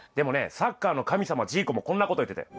サッカーの神様ジーコもこんなこと言ってたよ。